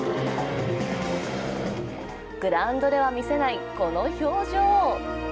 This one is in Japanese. グランドでは見せないこの表情。